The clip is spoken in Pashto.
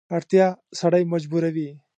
اړتیا سړی مجبوروي.